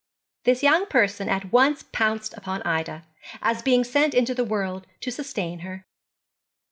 This young person at once pounced upon Ida, as a being sent into the world to sustain her.